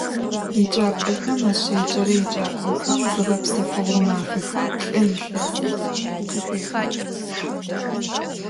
Yêcap'exem aşêcere yêcak'oxem zığepsefığo mafexer plh'e yilhesım khıxefex.